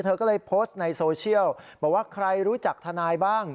เธอก็เลยโพสต์ในโซเชียลบอกว่าใครรู้จักทนายบ้าง